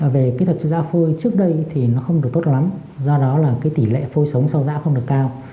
về kỹ thuật đông dã phôi trước đây thì nó không được tốt lắm do đó là cái tỷ lệ phôi sống sâu dã không được cao